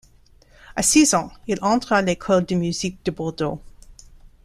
À six ans, il entre à l'école de musique de Bordeaux.